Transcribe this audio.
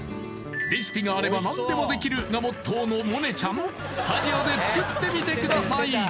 レシピがあれば何でもできるがモットーの萌音ちゃんスタジオで作ってみてください